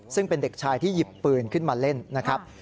ซึ่งเป็นเด็กชายที่หยิบปืนขึ้นมาเล่นนะครับ